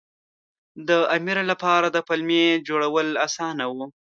د امیر لپاره د پلمې جوړول اسانه وو.